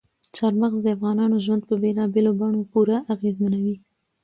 چار مغز د افغانانو ژوند په بېلابېلو بڼو پوره اغېزمنوي.